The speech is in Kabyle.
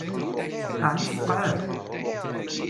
Ɛni tfeqɛem?